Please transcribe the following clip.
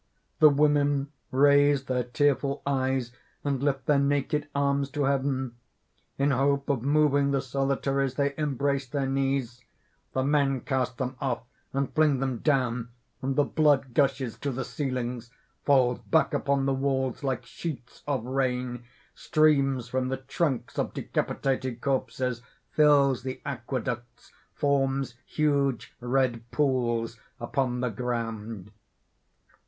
The women raise their tearful eyes and lift their naked arms to heaven. In hope of moving the Solitaries they embrace their knees; the men cast them off and fling them down, and the blood gushes to the ceilings, falls back upon the walls like sheets of rain, streams from the trunks of decapitated corpses, fills the aqueducts, forms huge red pools upon the ground.